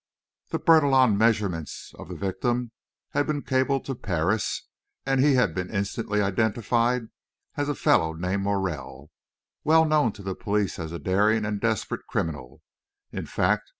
The Bertillon measurements of the victim had been cabled to Paris, and he had been instantly identified as a fellow named Morel, well known to the police as a daring and desperate criminal; in fact, M.